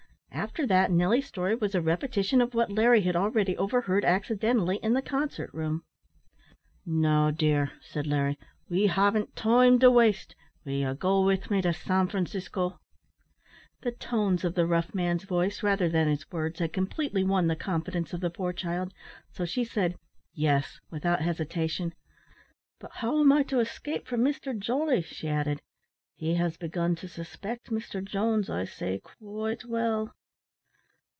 After that, Nelly's story was a repetition of what Larry had already overheard accidentally in the concert room. "Now, dear," said Larry, "we haven't time to waste, will ye go with me to San Francisco?" The tones of the rough man's voice, rather than his words, had completely won the confidence of the poor child, so she said, "Yes," without hesitation. "But how am I to escape from Mr Jolly?" she added; "he has begun to suspect Mr Jones, I see quite well."